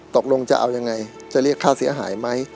ตกลงจะเอายังไงจะเรียกค่าเสียหายไหม